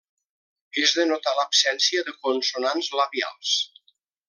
És de notar l'absència de consonants labials.